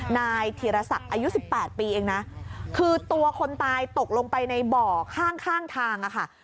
นายธีรศักดิ์อายุ๑๘ปีเองนะคือตัวคนตายตกลงไปในบ่อข้างข้างทางอะค่ะ